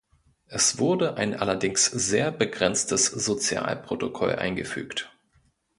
Es wurde ein allerdings sehr begrenztes Sozialprotokoll eingefügt.